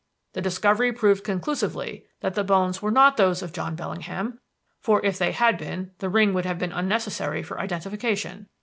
"The discovery proved conclusively that the bones were not those of John Bellingham (for if they had been the ring would have been unnecessary for identification).